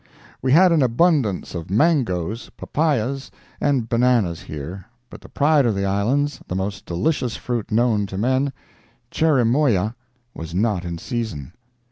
We had an abundance of mangoes, papaias and bananas here, but the pride of the islands, the most delicious fruit known to men, cherimoya, was not in season.